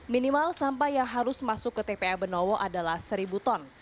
minimal sampah yang harus masuk ke tpa benowo adalah seribu ton